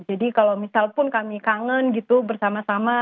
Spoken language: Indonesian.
jadi kalau misal pun kami kangen gitu bersama sama